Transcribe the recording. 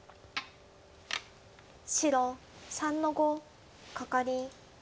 白３の五カカリ。